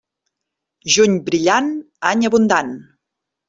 Juny brillant, any abundant.